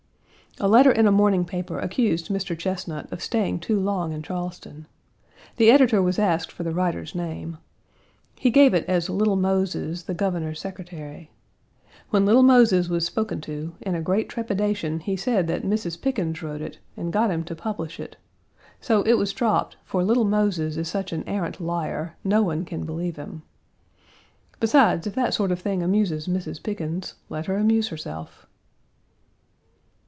A letter in a morning paper accused Mr. Chesnut of staying too long in Charleston. The editor was asked for the writer's name. He gave it as Little Moses, the Governor's secretary. When Little Moses was spoken to, in a great trepidation he said that Mrs. Pickens wrote it, and got him to publish it; so it was dropped, for Little Moses is such an arrant liar no one can believe him. Besides, if that sort of thing amuses Mrs. Pickens, let her amuse herself.